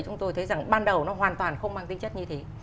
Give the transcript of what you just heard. chúng tôi thấy rằng ban đầu nó hoàn toàn không mang tính chất như thế